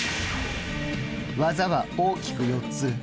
技は大きく４つ。